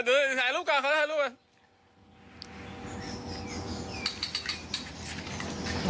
ดูถ่ายรูปก่อนเขาถ่ายรูปก่อน